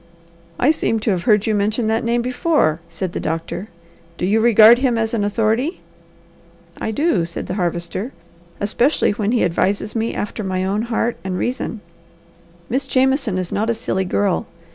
"I seem to have heard you mention that name be fore," said the doctor. "Do you regard him as an authority?" "I do!" said the Harvester. "Especially when he advises me after my own heart and reason. Miss Jameson is not a silly girl.